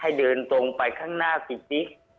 ให้เดินตรงไปข้างหน้าสิ